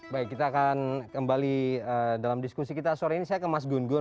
baik kita akan kembali dalam diskusi kita sore ini saya ke mas gun gun